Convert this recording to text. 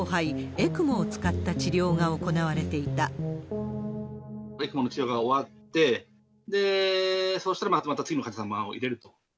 ＥＣＭＯの治療が終わって、そしたらまた次の患者様を入れると。